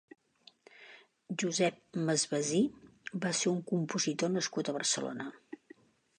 Josep Masvasí va ser un compositor nascut a Barcelona.